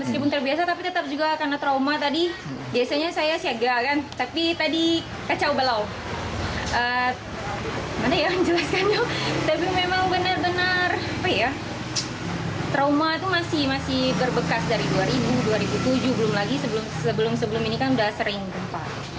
sebelum ini kan sudah sering gempa